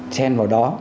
chen vào đó